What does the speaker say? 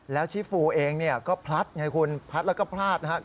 แล้วชิฟูเองเนี่ยก็พลัดไงคุณพลัดแล้วก็พลาดนะครับ